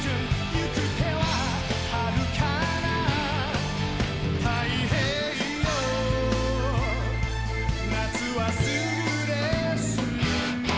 「行く手ははるかな太平洋」「夏はすぐです」